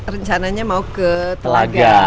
rencananya mau ke telaga